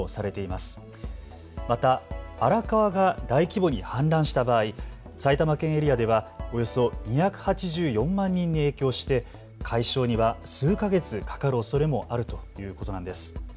また荒川が大規模に氾濫した場合、埼玉県エリアではおよそ２８４万人に影響して解消には数か月かかるおそれもあるということなんです。